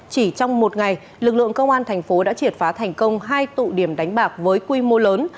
chỉ trong một ngày lực lượng công an tp long xuyên đã triệt phá thành công hai tụ điểm đánh bạc với quy mô lớn